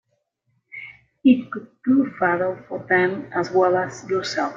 It could prove fatal for them as well as yourself.